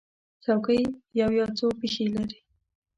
چوکۍ یو یا څو پښې لري.